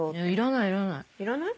いらない？